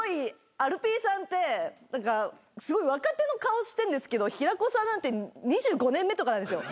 アルピーさんってすごい若手の顔してんですけど平子さんなんて２５年目とかなんですよ。